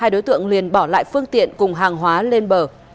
hai đối tượng liền bỏ lại phương tiện cùng hàng hóa lên bờ